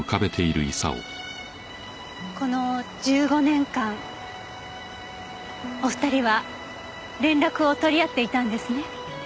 この１５年間お二人は連絡を取り合っていたんですね。